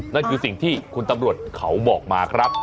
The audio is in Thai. นั่นคือสิ่งที่คุณตำรวจเขาบอกมาครับ